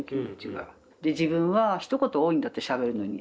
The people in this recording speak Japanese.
で自分はひと言多いんだってしゃべるのに。